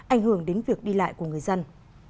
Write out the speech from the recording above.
ảnh hưởng đến việc đi lại của người dân